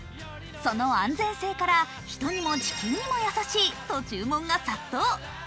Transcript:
その安全性から、人にも地球にも優しいと注文が殺到。